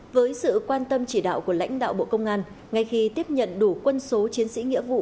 với sự quan tâm chỉ đạo của lãnh đạo bộ công an ngay khi tiếp nhận đủ quân số chiến sĩ nghĩa vụ